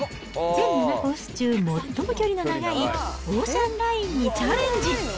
全７コース中最も距離の長い、オーシャンラインにチャレンジ。